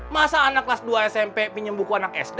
masa anak kelas dua smp minjem buku anak sd